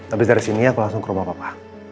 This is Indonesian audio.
abis dari sini aku langsung ke rumah papa